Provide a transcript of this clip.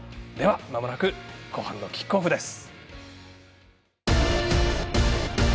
まもなく後半のキックオフです。